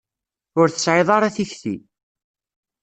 Ur tesεiḍ ara tikti.